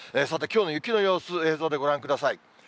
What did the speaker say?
さて、きょうの雪の様子、映像でご覧ください。